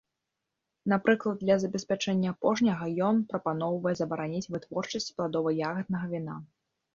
Напрыклад, для забеспячэння апошняга ён прапаноўвае забараніць вытворчасць пладова-ягаднага віна.